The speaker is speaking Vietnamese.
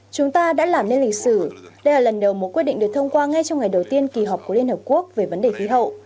chúng ta đã làm nên lịch sử đây là lần đầu một quyết định được thông qua ngay trong ngày đầu tiên kỳ họp của liên hợp quốc về vấn đề khí hậu